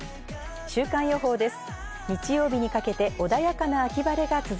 週間予報です。